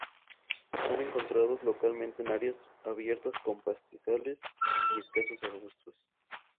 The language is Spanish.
Son encontrados localmente en áreas abiertas con pastizales y escasos arbustos.